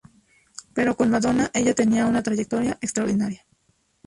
Pero con Madonna; ella tiene una trayectoria extraordinaria.